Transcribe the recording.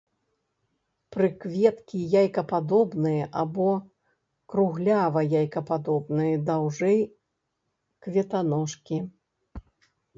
Прыкветкі яйкападобныя або круглява-яйкападобныя, даўжэй кветаножкі.